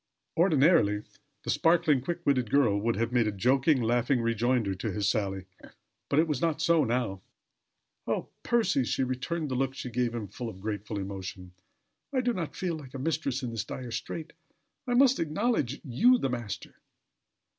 Ordinarily the sparkling, quick witted girl would have made a joking, laughing rejoinder to his sally, but it was not so now. "Oh! Percy," she returned, the look she gave him full of grateful emotion. "I do not feel like a mistress in this dire strait. I must acknowledge you the master.